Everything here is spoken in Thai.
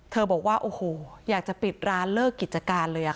บอกว่าโอ้โหอยากจะปิดร้านเลิกกิจการเลย